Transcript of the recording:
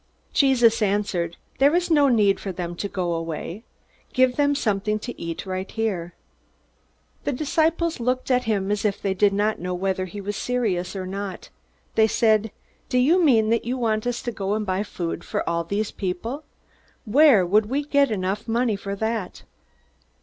Jesus answered: "There is no need for them to go away. Give them something to eat right here!" The disciples looked at him as if they did not know whether he was serious or not. They said: "Do you mean that you want us to go and buy food for all these people? Where would we get enough money for that?"